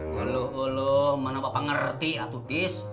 luluh luluh mana bapak ngerti atutis